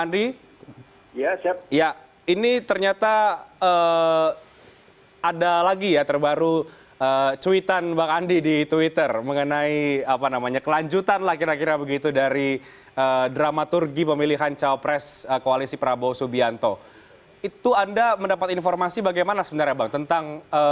dan sudah tersambung melalui sambungan telepon ada andi arief wasekjen